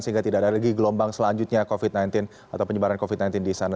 sehingga tidak ada lagi gelombang selanjutnya covid sembilan belas atau penyebaran covid sembilan belas di sana